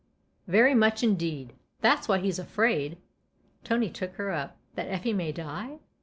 " Very much indeed. " That's why he's afraid " Tony took her up. " That Effie may die